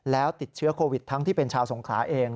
แล้วติดเชื้อโควิดทั้งที่เป็นชาวสงขลาเอง